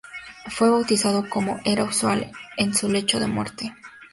Fue bautizado como era usual en su lecho de muerte.